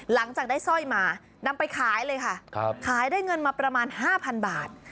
หลังจากได้สร้อยมานำไปขายเลยค่ะขายได้เงินมาประมาณ๕๐๐บาท